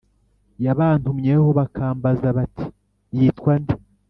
Yabantumyeho bakambaza bati yitwa nde